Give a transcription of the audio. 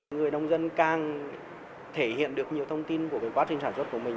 người nông dân càng thể hiện được nhiều thông tin của quá trình sản xuất của mình